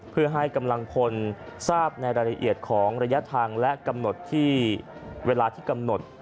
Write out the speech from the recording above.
เพื่อให้กำลังพลทราบในรายละเอียดของระยะทางและกำหนดที่เวลาที่กำหนด